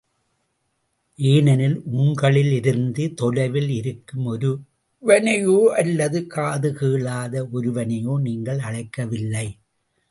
ஏனெனில், உங்களிலிருந்து தொலைவில் இருக்கும் ஒருவனையோ, அல்லது காது கேளாத ஒருவனையோ நீங்கள் அழைக்கவில்லை.